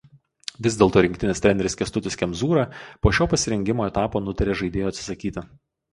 Vis dėlto rinktinės treneris Kęstutis Kemzūra po šio pasirengimo etapo nutarė žaidėjo atsisakyti.